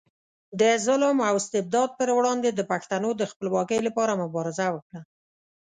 د ظلم او استبداد پر وړاندې د پښتنو د خپلواکۍ لپاره مبارزه وکړه.